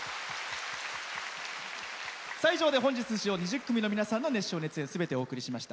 以上で本日出場２０組の皆さんの熱唱・熱演すべてお送りしました。